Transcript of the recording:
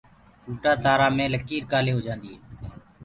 ٽوٽدآ تآرآ مي لڪيٚر ڪآلي هوجآنديٚ هي؟